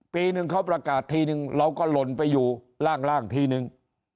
ปีหนึ่งเขาประกาศทีนึงเราก็หล่นไปอยู่ล่างทีนึง